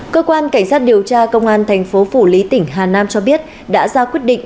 cơ quan cảnh sát điều tra công an thành phố phủ lý tỉnh hà nam cho biết đã ra quyết định